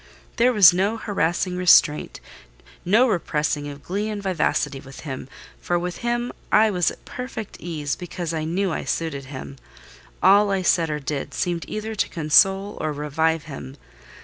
There was no harassing restraint, no repressing of glee and vivacity with him; for with him I was at perfect ease, because I knew I suited him; all I said or did seemed either to console or revive him.